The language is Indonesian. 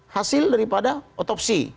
hasil daripada otopsi